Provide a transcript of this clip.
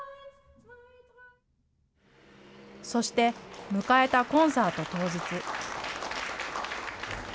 そして、迎えたコンサート当日。